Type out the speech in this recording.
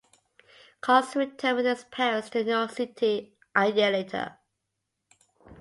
Cox returned with his parents to New York City a year later.